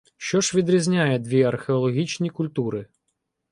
Що ж відрізняє дві археологічні культури?